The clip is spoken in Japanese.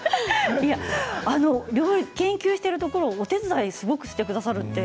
料理を研究しているところを、お手伝いしてくださるって。